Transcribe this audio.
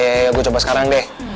ya iya gue coba sekarang deh